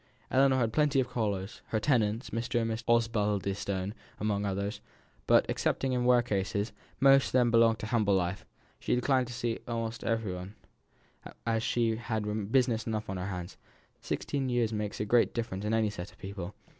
Ellinor had plenty of callers (her tenants, Mr. and Mrs. Osbaldistone among others), but, excepting in rare cases most of them belonged to humble life she declined to see every one, as she had business enough on her hands: sixteen years makes a great difference in any set of people.